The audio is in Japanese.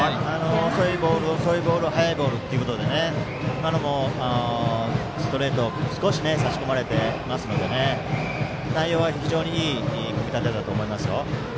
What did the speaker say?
遅いボール、遅いボール速いボールということで今のもストレートを少し差し込まれていますので内容は非常にいい組み立てだと思います。